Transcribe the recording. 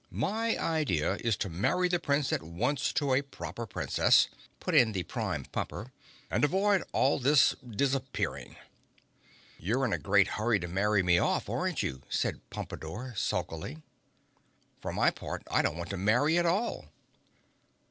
My idea is to marry the Prince at once to a Proper Princess," put in the Prime Pumper, "and avoid all this disappearing." "You're in a great hurry to marry me off, aren't you," said Pompadore sulkily. "For my part, I don't want to marry at all!"